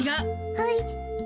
はい。